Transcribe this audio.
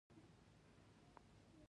ورزش انسان له نشه يي توکو ساتي.